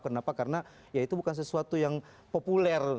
kenapa karena ya itu bukan sesuatu yang populer